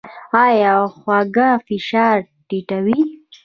ایا هوږه فشار ټیټوي؟